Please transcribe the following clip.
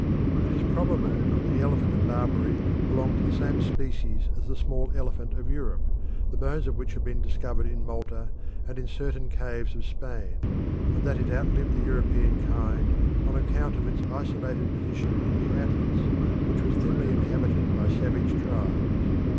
It is probable that the elephant of Barbary belonged to the same species as the small elephant of Europe, the bones of which have been discovered in Malta and in certain caves of Spain, and that it outlived the European kind on account of its isolated position in the Atlas, which was thinly inhabited by savage tribes.